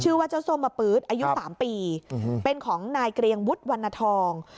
ชื่อว่าเจ้าส้มมาปื๊ดอายุ๓ปีเป็นของนายเกรียงวุฒิวันนทอง